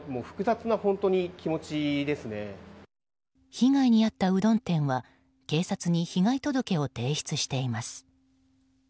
被害に遭ったうどん店は警察に被害届を提出しています。